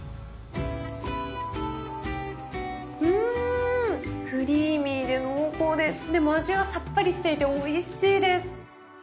うんクリーミーで濃厚ででも味はさっぱりしていておいしいです。